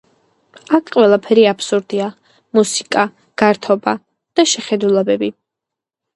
აქ ყველაფერი აბსურდია: მუსიკა, გართობა, შეხედულებები.